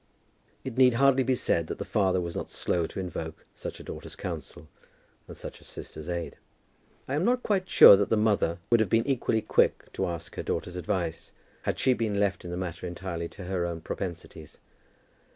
It need hardly be said that the father was not slow to invoke such a daughter's counsel, and such a sister's aid. I am not quite sure that the mother would have been equally quick to ask her daughter's advice, had she been left in the matter entirely to her own propensities.